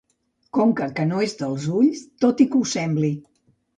Conca que no és dels ulls, tot i que ho sembli.